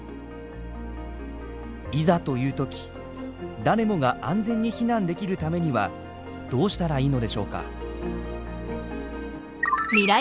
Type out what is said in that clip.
いざというとき誰もが安全に避難できるためにはどうしたらいいのでしょうか？